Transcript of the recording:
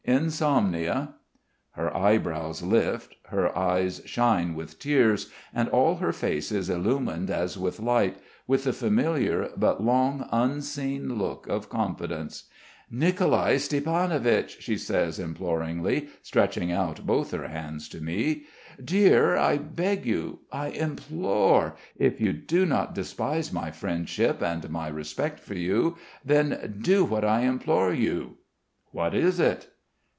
Insomnia." Her eyebrows lift, her eyes shine with tears and all her face is illumined as with light, with the familiar, but long unseen, look of confidence. "Nicolai Stiepanovich!" she says imploringly, stretching out both her hands to me. "Dear, I beg you ... I implore.... If you do not despise my friendship and my respect for you, then do what I implore you." "What is it?"